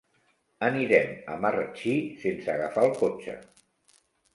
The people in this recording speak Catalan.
Anirem a Marratxí sense agafar el cotxe.